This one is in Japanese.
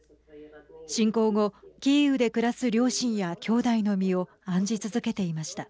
侵攻後、キーウで暮らす両親やきょうだいの身を案じ続けていました。